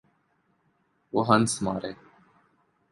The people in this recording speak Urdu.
وہ ہنس مارے۔